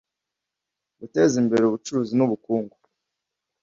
guteza imbere ubucuruzi n’ubukungu